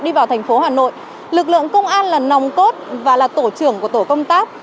đi vào thành phố hà nội lực lượng công an là nòng cốt và là tổ trưởng của tổ công tác